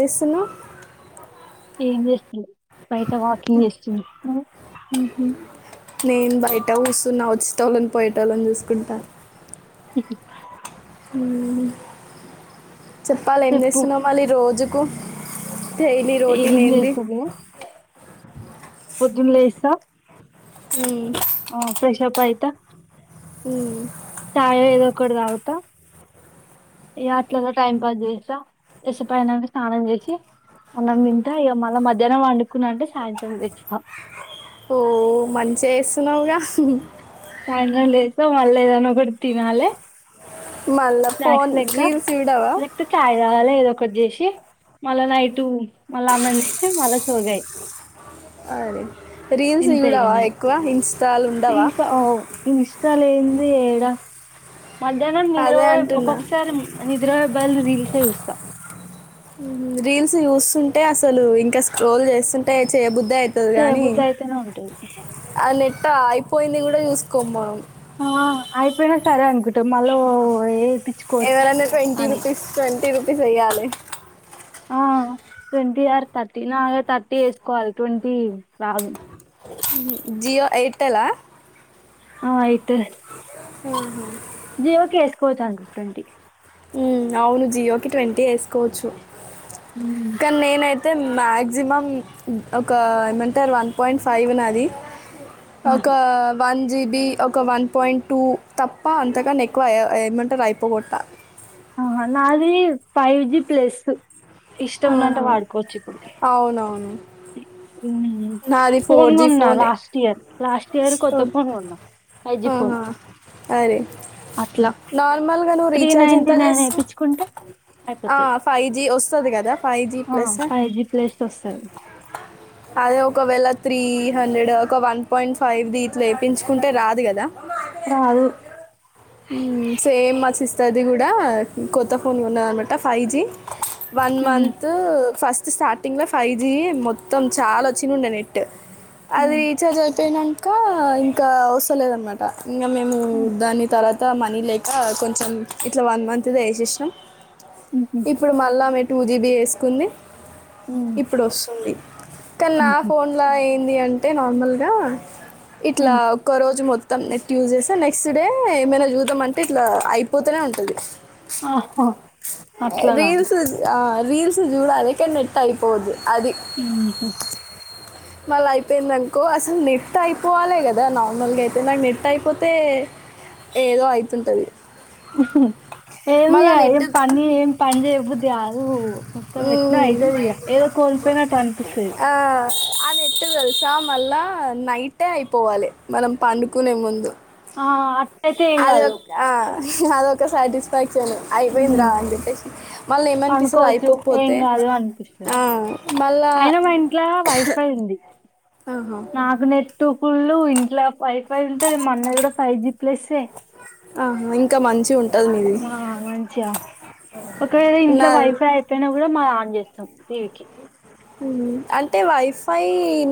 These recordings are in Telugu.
ఎచెస్తున్నవ్ ఏం చేస్తుంది బైటా వాకింగ్ చేస్తుంది నేను బయట కూస్తున్న వచ్చిటోతళ్ళని పోయేటళ్ళని చూసుకుంటాను ఇ చెప్పాల ఏం చెప్పు చేస్తున్నాం వాళ్ళీ ఈ రోజుకు డైలి రోటీన్ ఎంది పొద్దునలేసా ఉ ఆ ఫ్రెషఅప్ ఆయితా ఉ చాయ్ ఏదో ఒక్కటి తాగుత ఈ అట్లలా టైం పాస్ చేస్తా కాసేపు అయినాక స్నానం చేసి అన్నం తింటా ఇక మళ్ళీ మధ్యాహ్నం పడుకున్నా అంటే సాయంత్రం లేస్తా ఓ మంచిగా చేస్తున్నావుగా సాయంత్రం లేస్తా మళ్ళీ ఏదనా ఒకటి తినాలి మళ్ళా ఫోన్ స్నాక్స్ లెక్కా రీల్స్ చూడవా లేకపోతే చాయ్ తగలే ఏదో ఒ ఒకటి చేసి మళ్ళా నైటు మళ్ళా అన్నం మళ్ళా సోగాయి అరే రీల్స్ ఇంతే ఇక చూడవా నేను ఎక్కువ ఇన్స్టాలో ఉండవా ఇష్టాలో ఏదే ఏడా మధ్యాహ్నం నిద్ర అదే అంటున్నా ఒక్కొక్కసారి నిద్ర వాళ్ల రీల్స్ చూస్తా రీల్స్ చూస్తుంటే అసలు ఇంకా స్క్రోల్ చేస్తుంటే చేయబుద్దు అదే అవుతుంది కానీ చేయబుద్ధి అయితేనే ఉంటది ఆ నెట్ అయిపోయిందిని కూడా చూసుకో మనము ఆ అయిపోయినా సరే అనుకుంటా మళ ఏ ఎవరన్నా ట్వంటీ రూపీస్ ట్వంటీ రూపీస్ ఎయ్యాలి ఆ ట్వంటీ ఆర్ థర్టీ నాగా థర్టీ వేసుకోవాలి ట్వంటీ రాదు జియో ఎయిర్టెల ఆ ఎయిర్టెల్ ఆహ జియోకి వేసుకోవచ్చు అనుకుంటా ట్వంటీ ఉ అవును జియో కి ట్వంటీ వేసుకోవచ్చు కానీ నేనైతే అయితే మాక్సిమం ఒక ఏమంటారు వన్ పాయింట్ ఫైవ్ అది ఒక ఆహా వన్ జీబి ఒక వన్ పాయింట్ టూ తప్ప అంతగాని ఎక్కువ ఏమంటారు అయిపోగట్ట అనీ ఫైవ్ జి ప్లస్ ఇష్టంము ఉన్నంత ఆహా. వాడుకోవచ్చు ఇప్పుడు అవునవును నాది ఫోన్ ఫోర్ జీ కోన్నా ఫోనే లాస్ట్ ఇయర్ లాస్ట్ ఇయర్ కొత్త ఓ- ఫోన్ ఉన్నా ఫైవ్ జి ఫోన్ ఆహా. అరే అట్లా నార్మల్ నువ్వు త్రీ రీఛార్జ్ ఎంత నైన్టీ నైన్ చేస్తావ్ వేయించుకుంటే అయిపోతది ఫైవ్ జి వ వస్తుంది కదా five G plus five G plus వస్తది అదే ఒకవేళ త్రీ హండ్రెడ్ ఒక వన్ పాయింట్ ఫైవ్ ది ఇట్ వేయిచుకుంటే రాదు కదా రాదు సేమ్ మా సిస్టర్ ని కూడా కొత్త ఫోన్ కొన్నదన్నమాట five G one మంతంత్ first starting లో ఫైవ్ జి మొత్తం చాలా వ చినండే నెట్ అది రీచార్జ్ అయిపోయినా ఇంకా ఇంకా అవసరం లేదనమాట ఇంకా మేము దాన్ని తర్వాత మనీ లేక కొంచెం ఇట్లా వన్ మంత్ వేసేసిన ఇప్పుడు మళ్ళా ఆమే టూ జీబి వేసుకుంది ఇప్పుడు వస్తుంది కానీ నా ఫోన్లా ఏంది అంటే అంటే నార్మల్ గా ఇట్లా ఒ రోజు మొత్తం నెట్ యూజు చేస్తే నెక్స్ట్ డే ఏమైనా చూద్దాం అంటే ఇట్లా అయిపోతనే ఉంటది ఆహా అట్లనా రీల్స్ ఆ రీల్స్ చూడాలి నెట్ అయిపోద్ది ఉ హు మళ్ళీ అయిపోయిందనుకో అసలు నెట్ అయిపోవాలి కదా నార్మల్గా అయితే నాకు నెట్ అయిపోతే ఏదో అయితుంటది ఏమి ఏ నెట్ పని ఏ పని చెయ్య బుద్ధి కాదు మొత్తం ఎట్న అవుతుంది ఇగా ఏదో కోల్పోయిన అటు అనిపిస్తుంది అ ఎట్ట తెలుసా మళ్ళా నైటే అయిపోవాలి మనం పండుకునే ముందు ఆ అట్లా అయితే ఏం కాదు ఆ, అదొ ఒక సాటిస్ఫాక్షన్ స అయిపోయిందిరా అని చెప్పేసి మళ్ళీ ఏమనిపిస్తుంది పనుకోవచ్చు ఏం అయిపోకపోతే కాదు అనిపిస్తది మళ్ళా అయినా మా ఇంట్లో వైఫై ఉంది ఆహా ఒక్కొళ్ళు ఇంట్లా వైఫై ఉంటుది మన్న కూడా ఫైవ్ జి ప్లస్ ఆ ఇంకా మంచి ఉంటు ఆ మంచిగా ఒకవేళ నా ఇంట్లో వైఫై అయిపోయినా కూడా మా ప చేస్తాం టీవీకి అంటే వైఫై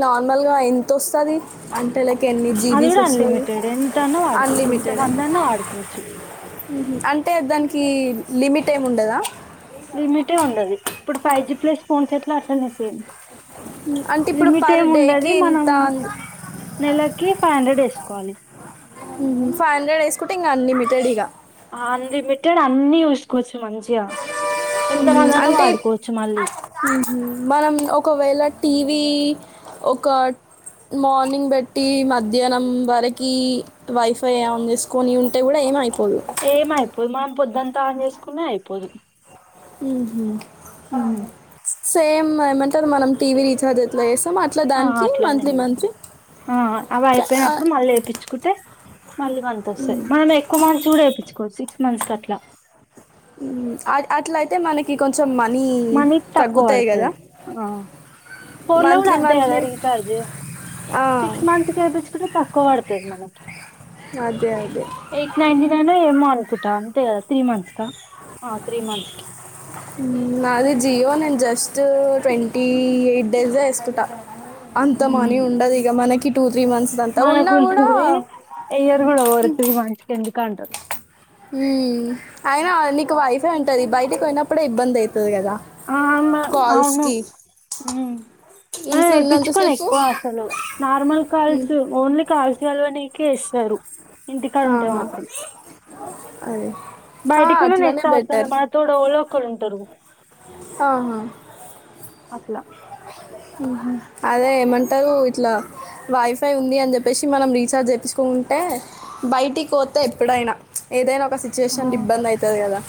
నార్మల్గా ఎంతొస్తుది అంటే లైక్ కెన్ని అది జీబీ కూడా సెస్ల్ అన్లిమిటెడ్ ఎంత అన్నా వాడుకోవచ్చు ఎంత అన్లిమిటెడ్ మంది అన్నా వాడుకోవచ్చు అంటే దానికి లిమిట్ ఏమిండదా లిమిటే ఉండదు ఇప్పుడు ఫైవ్ జి ప్లస్ ఫోన్స్ ఎట్లా అడసలుని సేంది ఉమ్, అంటే ఇప్పుడు లిమిట్ పర్ ఏమి ఉండది డేకి ఇంత మనము నెలకి ఫైవ్ హండ్రెడ్ వేసుకోవాలి ఫైవ్ హండ్రెడ్ వేసుకుంటే ఇంకా అన్లిమిటెడ్ ఇక అన్లిమిటెడ్ అన్నిీ చూసుకోవచ్చు మంచిగా ఎంత మంది అన్నా అంటే వాడుకోవచ్చు మళ్ళీ మనం ఒకవేళ టీవీ ఒక మార్నింగ్ బట్టి మధ్యాహ్నం వరకి వైఫై ఆన్ చేసుకుొని ఉంటే కూడా ఏమవుతుంది ఏమ అయిపోదు మం పొద్దుంతా ఆన్ చేసుకునే అయిపోదు ఉమ్. సేమ్ ఏమంటారు మనం టీవీ రీచార్జ్ ఎట్లా అట్లా ఆ, దానికి అట్లనే మంత్లీ ఇగ మంత్లీ ఆ అవ అయిపోయినప్పుడు మళ్ళీ వేయిించుకుంటే మళ్ళీ మంత వస్తాయి మనం ఎక్కువ మంత్స్ కూడా వేయించుకోవచ్చి సిక్స్ మంత్స్ కట్లా అ అట్లయితే మనకి కొంచెం కొంచం మనీ మనీ తక్కువ తగ్గుతాయి కదా పడుతది ఆ ఫోన్ లో ఉ మంత్లీ అంద ఎద మంత్లీ రిచార్జ సిక్స్ మంత్స్ వయిించుకుంటే తక్కువ పడుతుది మనకి అదే అదే ఎయిట్ నైన్టీ నాైన్ ఏ మ అన్కుటా అంత నాది జీవో నేం జస్ ట్వంటీ ఎయిట్ డేస్ వేసుకుంటా అంత మని ఉండదు ఇ మన మనకుంటుంది ఎయ్యరు కూడా రు త మనిషికి ఎందుకు అంటారు అయినా నీకు వైఫే ఉంటది బయటికి పోయినప్పుడే ఇబ్బంది అయి ఆ అ అవును ఏ ఇంట్లో పిచ్చుకోలే ఉన్నంతసేపు ఎక్కువ అసలు నార్మల్ మ్మ్, కాల్స్ ఓన్లీ కాల్స్ వెళ్లనీకి కీస్తారు ఆహా అదే ఆ, బయటికు అట్లానే నెట్ అవసరం లేదు బెటర్ మన తోటి ఎవరో ఒకరు ఉంటారు ఆహా అట్లా హు అదే ఏమంటారు ఇట్లా వైఫై ఉంది అని చెప్పేసి మనం రీఛార్జ్ చేపిచ్చుకోకుండా ఉంటే బయటికి పోతే ఎప్పుడైనా ఏదైనా ఒక ఆ సిచ్యువేషన్ ఇబ్బంది అయితది కదా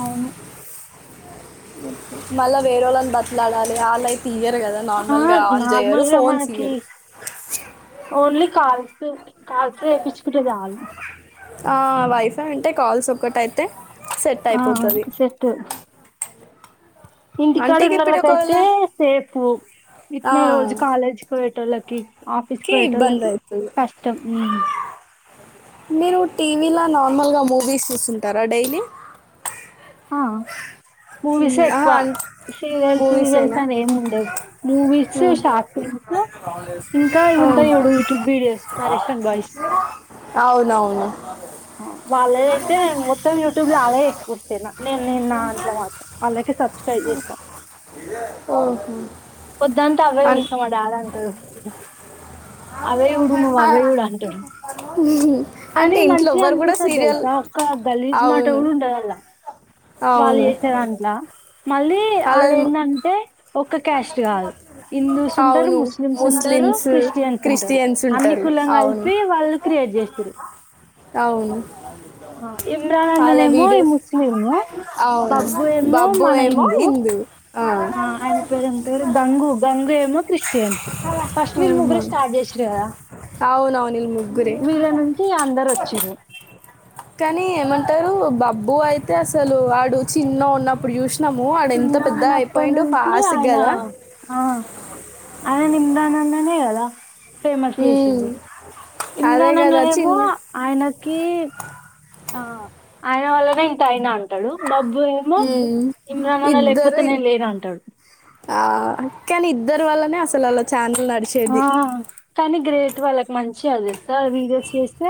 అవును మళ్ళా వేరే వాళ్ళని బతిలాడాలి ఆలెన తీయరు కదా ఆ నార్మల్ గా ఆన్ చేయరు నార్మల్ గా ఫోన్ మనకి ఇయరు ఓన్లీ కాల్స్ కాల్స్ కి ఏపిచ్చుకుంటే చాలు ఆ వైఫై ఉంటే కాల్స్ ఒక్కటైతే సెట్ ఆ అయిపోతుంది సెట్ ఇంటికాడ అంటే ఇక ఇప్పుడు ఒకవేళ ఉన్నళ్ళకయితే సేఫ్ ఆ, ఇట్నే రోజు కాలేజీకి పోయేటోళ్ళకి ఆఫీసుకి కి ఇబ్బంది పోయేటోళ్ళకి అవుతుంది కష్టం మీరు టీవీలో నార్మల్గా మూవీస్ చూస్తుంటారా డైలీ ఆ మూవీస్ అహా ఎక్కువ అ సీరియల్స్ సీరియల్స్ అని ఏమి ఉండవు మూవీస్ షార్ట్ ఫిలిమ్స్ ఇంకా ఉంటాయి చూడు యుట్యూబ్ విడియోస్ పరేషన్ బాయిస్ అవునవును వాళ్ళదైతే మొత్తం యూట్యూబ్ల వాళ్లేయే ఎక్కువ వస్తాయి నాకు నేను నేను నా దాంట్ల మాత్రం ఆళ్లకే సబ్స్క్రైబ్ చేస్తా ఓహో. పొద్దంతా అవే అన్- చూస్తా మా డాడి అంటాడు అవే చూడు నువ్వు ఆ, అవే చూడు అంటాడు అంటే కానీ ఇంట్లో మంచిగా ఎవ్వరు కూడా అనిపిస్తది సీరియల్ తెలుసా ఒక్క గలీజ్ మాట అవును కూడా ఉండదల్లా వాళ్ళు అవును చేసిన దాంట్లా మళ్ళీ అలా వాళ్ళ ఏందంటే ఒక్క క్యాస్ట్ కాదు హిందూస్ ఉంటారు అవును ముస్లిమ్స్ ఉంటారు ముస్లిమ్స్ క్రిస్టియన్స్ ఉంటారు క్రిస్టియన్స్ అన్ని ఉంటారు కులం అవును కలిపి వాళ్లు క్రియేట్ చేసిర్రు అవును ఇమ్రాన్ అలా అన్ననేనేమో ఈ వీడియోస్ ముస్లిం అవును బబ్బు ఏమో బబ్బు మన ఏమో హిందూ హిందువు ఆ ఆయన పేరు ఏం పేరు గంగు గంగు ఎ క్రిస్టియన్స్ ఫస్ట్ వీళ్లు ముగ్గురే మ్మ్. స్టార్ట్ చేసింరు కదా అవునవును వీళ్ళు ముగ్గురే వీళ్ళ నుంచి అందరు వచ్చిర్రు కానీ ఏమంటారు బబ్బు అయితే అసలు వాడు చిన్న ఉన్నప్పుడు చూష్ ము ఆడు ఎంత చిన్న పెద్దగా ఉన్నప్పటి అయిపోయిడు నుంచి ఫాస్ ఆయన గదా ఆ ఆయన ఇమ్రాన్ అన్ననే గదా ఉమ్ ఇమ్రాన్ అన్న నేమో ఆయనకి ఆ ఆయన వల్లనే ఇంత అయినాన్ అంటాడు బాబ్బు ఏమో మ్మ్. ఇమ్రాన్ అన్న లేకపోతే ఇద్దరు నేను లేను అంటాడు ఆ కానీ ఇద్దరు వల్లనే అసలు అల్ల ఛానల్ ఆ నడిచేది కానీ గ్రేట్ వాళ్ళకి మంచిగా తెలుసా వీడియోస్ చేస్తే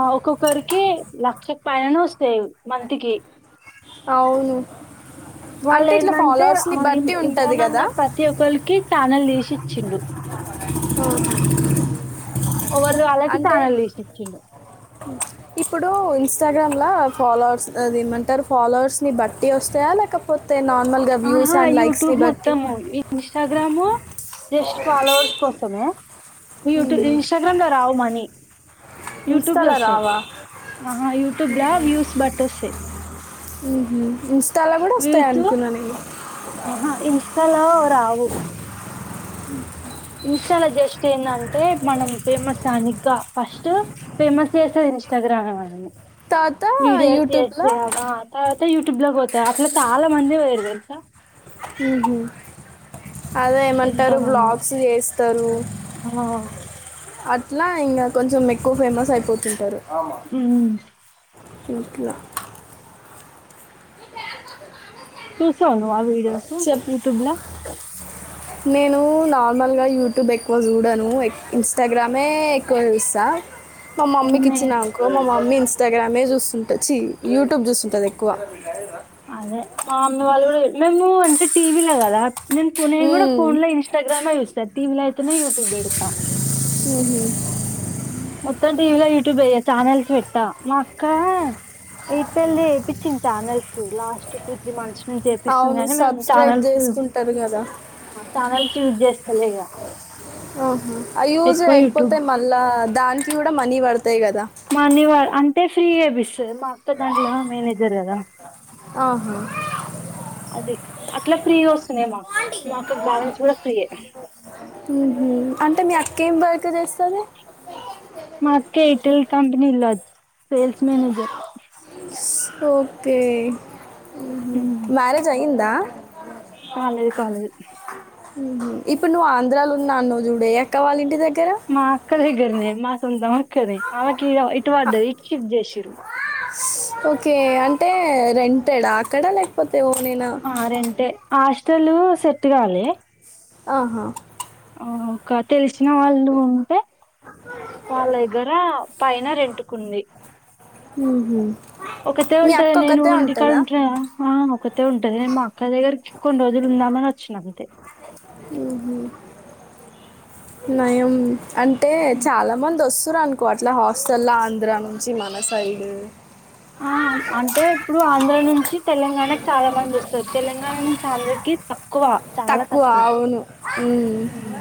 ఆ ఒక్కొక్కరికి లక్షకి పైననే వస్తాయి మంత్కి అవును వాళ్ళ అంటే ఇట్లా ఏందంటే ఫాలోవర్స్ని బట్టి ఉంటుంది ఇంద్రనన్న కదా అన్న ప్రతి ఒక్కరికి ఛానల్ తీసి ఇచ్చిడు ఆహా ఎవరిది వాళ్లకి ఛానల్ తీసి ఇచ్చిండు ఇప్పుడు ఇన్స్టాగ్రామ్లా ఫాలోవర్స్ అది ఏమంటారు ఫాలోవర్స్ని బట్టి వస్తాయా లేకపోతే అంటే నార్మల్ గా వ్యూస్ ఆహా! అండ్ లైక్స్ని యూట్యూబ్ బట్టి మొత్తము, ఇన్‌స్టాగ్రాము జస్ట్ ఫాలోవర్స్ కోసమే యూట్యూ ఇన్స్టాగ్రామ్ లో రావు మనీ యూట్యూబ్ ల ఇన్స్టాలో వస్తాయి రావా అహా యూట్యూబ్ల వ్యూస్ బట్టి వస్తాయి హుహు ఇన్స్టా లా కూడా వస్తాయి వ్యూసు అనుకున్నా నేను ఆహా ఇన్స్లా లో రావు ఇన్స్టాల జస్ట్ ఏందంటే మనం ఫేమస్ గానీకా ఫస్ట్ ఫేమస్ చేస్తది ఇన్స్టాగ్రామ్ తర్వాత వీడియోస్ యూట్యూబ్లో చేస్తే ఆ ఆ తర్వా యూట్యూబ్ లకు పోతారు అట్లా చాలా మంది పోయిరు తెలుసా ఉహు అదే ఏమంటారు ఎంతమందో బ్లాగ్స్ చేస్తారు ఆ అ ట్లా ఇంగా కొంచెం ఎక్కువ ఫేమస్ అయిపోతుంటారు ఉమ్ ఇట్లా చూసావా నువ్వు ఆ వీడియోస్ చెప్ యూట్యూబ్ల నేను నార్మల్గా యూట్యూబ్ ఎక్కువ చూడను ఇన్స్టాగ్రామే ఎక్కువ చూస్తా మా మమ్మీ కి నే ఇచ్చినా అనుకో మా మమ్మీ ఇన్స్టాగ్రామే జుస్తుంటది చి యూట్యూబ్ జూస్తుంటది ఎక్కువ అదే మా అమ్మీ వాళ్లు గుడా మేము అంటే టీవీలొ గదా నేను పునె కూడా మ్మ్. పోన్ లో ఇన్స్టగ్రామే జుస్తా టీవీలో అయితనే యూట్యూబ్ బెడతా ఊహు మొత్తం టీవీలో యూట్యూబే ఇగ ఛానల్స్ పెట్టా మా అక్క చిట్ తళ్లే ఏప్పిచ్చింది channels last two three months చేపిస్తుంది అవును గాని మేము సబ్స్క్రైబ్ ఛానల్సు చేసుకుంటారు కదా ఛానల్స్ యూజ్ జేస్ ఆహా అవి యూజ్ ఎక్కువ యూట్యూబ్ లేకపోతే మళ్లా దానికి కుడా మనీ పడు మనీ వా అంటే ఫ్రీ ఏబి తది మా అక్క దాంట్లో మేనేజర్ గదా ఆహా అది అట్లా ఫ్రీ వొస్ ఊ హూ అంటే మీ అక్కేం వ ర్క్ జేస్తదె మా అక్క [unintelligible] సేల్స్ మానేజర్ ఓకే ఉహు మ్యారేజ్ అయిందా కాలేదు కాలేదు ఉ హూ ఇప్పుడు నువ్ ఆంధ్రాలో ఉన్నా అన్నావ్ జూడు ఏ అక్క వాళ్ళింటి దగ్గ్ మా అక్క దగ్గరనే మా సొంతం అక్కదే ఆమెకి ఈ ఇటు పడ్డది ఇటు షిఫ్ట్ జేషిరు ఓకే అంటే రెంటేడా అక్కడా లేకపోతే ఓనేనా ఆస్టలూ సెట్ గాలే ఆహా ఆ ఇంక తెలిసిన వాళ్లు ఉంటే వాళ్ల దగ్గర పైన రెంటుకుంది మ్మ్హ. ఒకతే మీ ఉంటది అక్క నేను ఒకతే ఇంటి కాడా ఉంటుందా ఉంటున్న ఆ ఒక తే ఉంటది మా అక్క దగ్గరికి కొన్ని రోజులు ఉందామని వచ్చిన అంతే ఉహు నయం అంటే చాలా మంది వొస్ స్తురు అనుకో అట్లా హాస్టల్ల ఆంధ్రా నుంచి మన సైడు ఆ అంటే ఇప్పుడు ఆంధ్ర నుంచి తెలంగాణకి చాలా మంది వస్తారు తెలంగాణ నుంచి ఆంధ్రకి కి తక్కువ చాలా తక్కువ అవును మ్మ్. హుమ్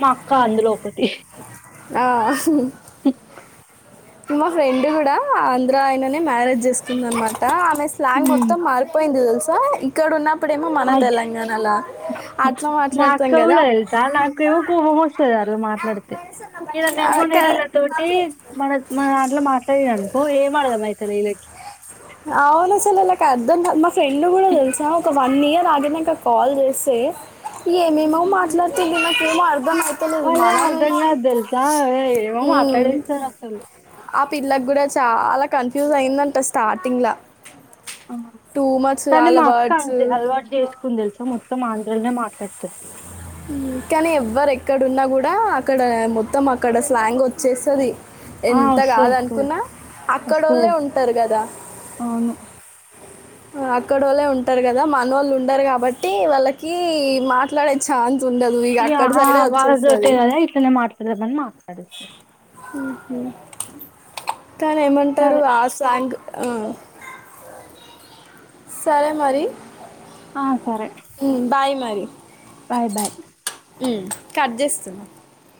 మా అక్క అందులో ఒకతి ఆ మా ఫ్రెండ్ గుడా ఆంధ్ర ఆయననే మ్యారేజ్ జేసుకుంది అనమాట ఆ ఆమె స్లాంగ్ మొత్తం మారిపోయింది దెలుసా ఇక్కడ ఉన్నప్పుడేమో మన అయ్ తెలంగాణలా అట్లా మా మాట్లాడతాం అక్క కదా గూడా దెల్సా నాకేమో కోపం వస్తది అట్ల మాట్లాడితే ఇగ ఆ, నేమో నేను క- ఇళ్ళతోటి మన మనదాంట్లో మాట్లాడిన అనుకో ఏం అర్దం అయ్యితది ఇళ్ళకి అవును అసలు వాళ్ళకి అర్థంకాద్ మా ఫ్రెండ్లు కూడా తెలుసా ఒక వన్ ఇయర్ ఆగినంక కాల్ జేస్తే ఏమేమో మాట్లాడుతుంది నాక్ ఏమో అర్దం అయితలేదు వాళ్ళేం అర్థం మనమేమో కాదు తెలుసా ఏ- ఏమో మ్ మాట్లాడేస్తారు అసలు ఆ పిల్లగ్గుడా చాలా కన్ఫ్యూజ్ అయిందంట స్టార్టింగ్ లా అ కానీ మా అక్క అంతే అలవాటు జేసుకుంది తెలుసా మొత్తం ఆంధ్రలొనే మాట్లాడతది కానీ ఎవ్వరు ఎక్కడున్నా కూడా అక్కడ మొత్తం అక్కడ స్లాంగ్ వచ్చేస్తది ఆ ఎంత వస్తది వస్తది గాదనుకున్నా అక్కడోల్లె వస్తది ఉంటరు గదా అవును ఆ అక్కడోల్లే ఉంటరు గదా మనోళ్లు ఉండరు కాబట్టి వాళ్ళకి మాట్లాడే ఛాన్ య్యహా వాళదోటే కదా ఇట్లనే మాట్లాడదామని మాట్లాడెస్తరు కానీ ఏమంటారు సరే ఆ స్లాంగ్ ఆ సరే మరి ఆ సరే మ్ బాయ్ మరి బాయ్ బాయ్ మ్ కట్ చేస్తున్నా